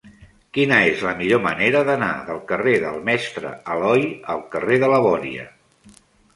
Quina és la millor manera d'anar del carrer del Mestre Aloi al carrer de la Bòria?